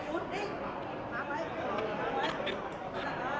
เพลงพี่หวาย